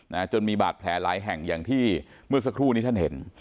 จนมีบาดแผลหลายแห่งอย่างที่เมื่อสักครู่นี้ท่านเห็น